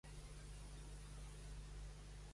El punt és alt és Pitchcott Hill, sobre el nivell del mar.